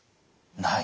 ない？